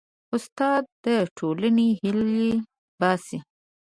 استاد د ټولنې هیلې باسي.